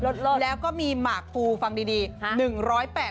แล้วก็มีหมากฟูฟังดี